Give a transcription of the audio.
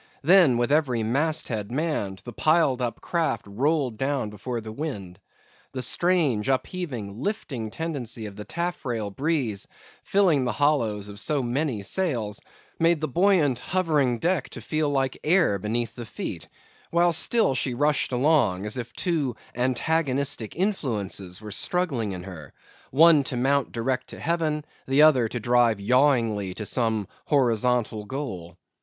Then, with every mast head manned, the piled up craft rolled down before the wind. The strange, upheaving, lifting tendency of the taffrail breeze filling the hollows of so many sails, made the buoyant, hovering deck to feel like air beneath the feet; while still she rushed along, as if two antagonistic influences were struggling in her—one to mount direct to heaven, the other to drive yawingly to some horizontal goal.